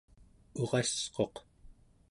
urasquq